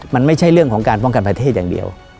มันไม่ใช่เรื่องของการป้องกันประเทศอย่างเดียว